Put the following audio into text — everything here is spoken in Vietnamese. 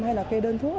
hay là kê đơn thuốc